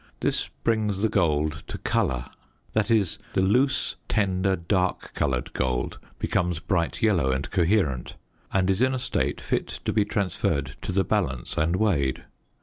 This brings the gold to "colour"; that is, the loose tender dark coloured gold becomes bright yellow and coherent; and is in a state fit to be transferred to the balance and weighed.